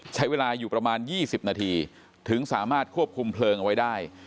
ใช้เวลาอยู่ประมาณ๒๐นาทีถึงสามารถควบคุมเพลิงเอาไว้ได้